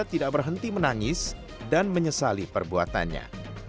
ketiga pemuda tidak berhenti menangis dan menyesali perbuatannya